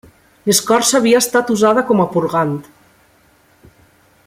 L'escorça havia estat usada com a purgant.